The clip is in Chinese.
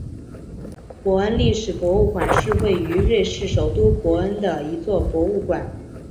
伯恩历史博物馆是位于瑞士首都伯恩的一座博物馆。